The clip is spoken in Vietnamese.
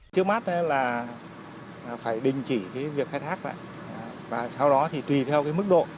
trước mắt là phải đình chỉ việc khai thác lại và sau đó thì tùy theo mức độ